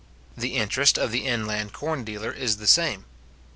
The interest of the inland corn dealer is the same.